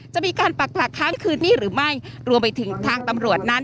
จะมีการปักหลักค้างคืนนี้หรือไม่รวมไปถึงทางตำรวจนั้น